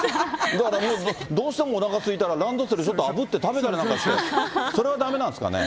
だから、どうしてもおなかすいたらランドセルちょっとあぶって食べたりなんかして、それはだめなんですかね？